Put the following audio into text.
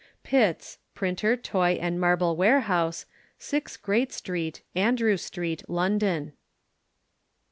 Pitts, Printer, Toy and Marble Warehouse, 6, Great St. Andrew Street, London.